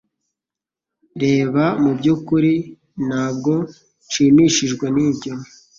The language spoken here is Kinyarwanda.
Reba Mu byukuri ntabwo nshimishijwe Nibyo